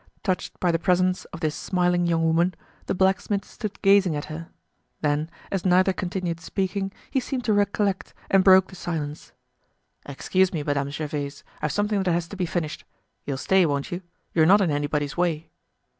Touched by the presence of this smiling young woman, the blacksmith stood gazing at her. Then, as neither continued speaking, he seemed to recollect and broke the silence: "Excuse me, Madame Gervaise, I've something that has to be finished. You'll stay, won't you? You're not in anybody's way."